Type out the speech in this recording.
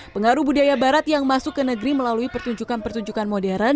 pengaruh budaya barat yang masuk ke negeri melalui pertunjukan pertunjukan modern